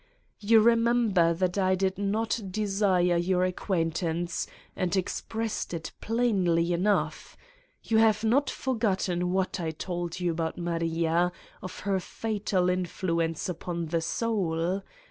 "You remem ber that I did not desire your acquaintance and expressed it plainly enough? You have not for gotten what I told you about Maria, of her fatal influence upon the soul?